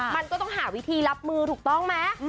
มันก็ต้องหาวิธีรับมือถูกต้องไหม